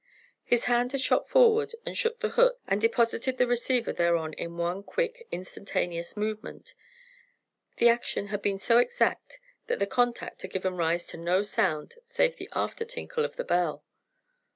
His hand had shot forward toward the hook and deposited the receiver thereon in one quick, instantaneous movement. The action had been so exact that the contact had given rise to no sound save the after tinkle of the bell.